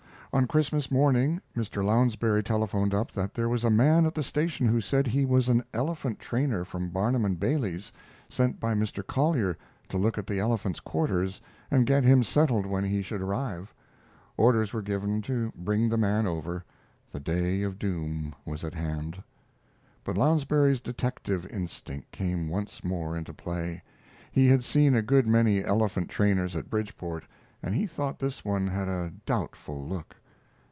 On Christmas morning Mr. Lounsbury telephoned up that there was a man at the station who said he was an elephant trainer from Barnum & Bailey's, sent by Mr. Collier to look at the elephant's quarters and get him settled when he should arrive. Orders were given to bring the man over. The day of doom was at hand. But Lounsbury's detective instinct came once more into play. He had seen a good many elephant trainers at Bridgeport, and he thought this one had a doubtful look.